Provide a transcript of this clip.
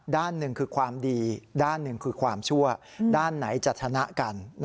ด้านหนึ่งคือความดีด้านหนึ่งคือความชั่วด้านไหนจะชนะกัน